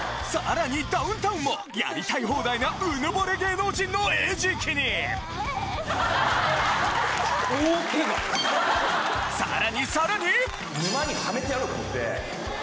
さらにやりたい放題なうぬぼれ芸能人の餌食にさらにさらに！